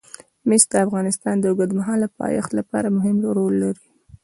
مس د افغانستان د اوږدمهاله پایښت لپاره مهم رول لري.